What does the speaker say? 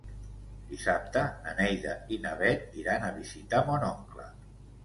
Dissabte na Neida i na Bet iran a visitar mon oncle.